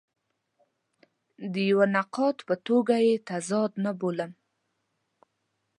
او د یوه نقاد په توګه یې تضاد نه بولم.